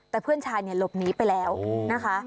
แต่เพื่อนชายเนี่ยหลบหนีไปแล้วนะคะ